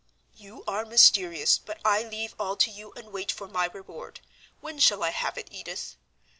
"'You are mysterious, but I leave all to you and wait for my reward. When shall I have it, Edith?'